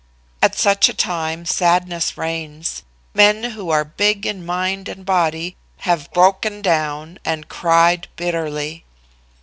At such a time sadness reigns. Men who are big in mind and body have broken down and cried bitterly.